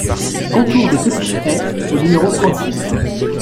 Contour des Petites Haies au numéro trente-six